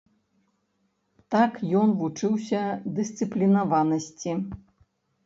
Так ён вучыўся дысцыплінаванасці.